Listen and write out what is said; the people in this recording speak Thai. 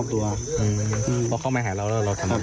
ตอนนั้นเจ้งตำรวจกันเร็ว